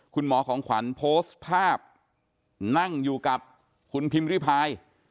คุณหมอของขวัญโพสต์ภาพนั่งอยู่กับคุณพิมพ์ริพาย